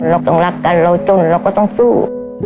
เราต้องรักกันเราจนเราก็ต้องสู้